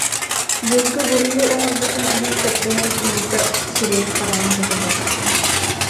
Бүөккэ буруйу оҥорбутун иһин көрдөһөн Ника сирэйин-хараҕын кэтэһэр